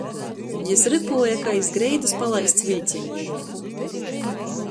Jis rypuoja kai iz greidys palaists viļceņš.